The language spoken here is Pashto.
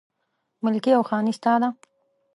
ملکي او خاني ستا ده